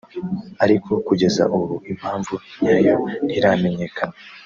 ariko kugeza ubu impamvu nyayo ntiramenyekana